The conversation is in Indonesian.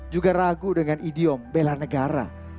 juga ragu dengan idiom bela negara